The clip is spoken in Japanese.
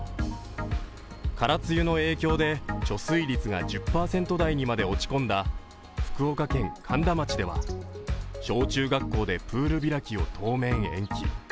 空梅雨の影響で貯水率が１０％台にまで落ち込んだ福岡県苅田町では小中学校でプール開きを当面延期。